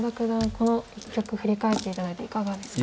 この一局振り返って頂いていかがですか？